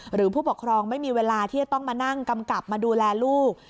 หรือผู้ปกครองไม่มีเวลาที่จะต้องมานั่งกำกับมาดูแลลูก